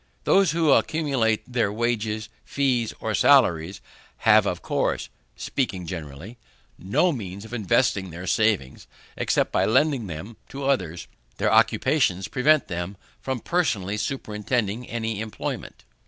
Those who accumulate from their wages, fees, or salaries, have, of course, (speaking generally) no means of investing their savings except by lending them to others: their occupations prevent them from personally superintending any employment.